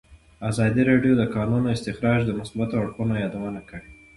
ازادي راډیو د د کانونو استخراج د مثبتو اړخونو یادونه کړې.